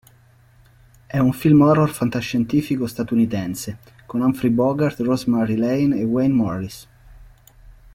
È un film horror fantascientifico statunitense con Humphrey Bogart, Rosemary Lane e Wayne Morris.